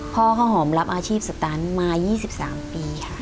พ่อข้าวหอมรับอาชีพสตันมา๒๓ปีค่ะ